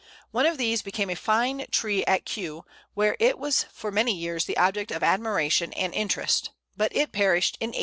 One of these became a fine tree at Kew, where it was for many years the object of admiration and interest, but it perished in 1892.